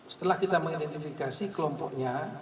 setelah kita mengidentifikasi kelompoknya